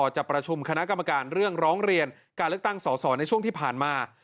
จะประชุมคณะกรรมการเรื่องร้องเรียนการเลือกตั้งสอสอในช่วงที่ผ่านมา